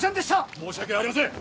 申し訳ありません！